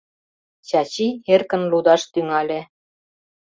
Чачи эркын лудаш тӱҥале: